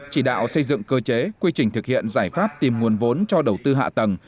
chỉ đạo xây dựng cơ chế quy trình thực hiện giải pháp tìm nguồn vốn cho đầu tư hạ tầng